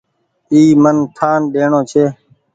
اي من ٺآن ڏيڻو ڇي۔